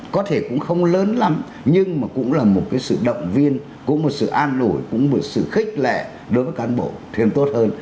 có thể cũng không lớn lắm nhưng mà cũng là một cái sự động viên cũng một sự an nổi cũng một sự khích lệ đối với cán bộ thêm tốt hơn